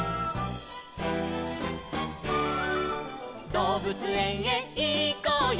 「どうぶつえんへいこうよ